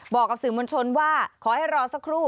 กับสื่อมวลชนว่าขอให้รอสักครู่